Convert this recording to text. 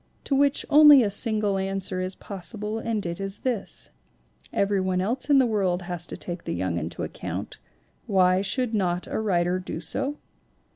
To which only a single answer is possible and it is this: Everybody else in the world has to take the young into account ; why should not a writer do so